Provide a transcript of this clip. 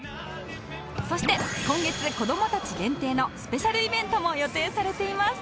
そして今月子どもたち限定のスペシャルイベントも予定されています